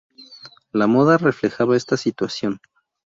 La moda reflejaba esta situación.